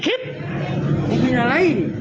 ภาพนี้เป็นหน้า